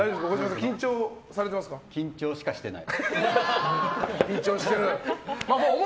緊張しかしてない。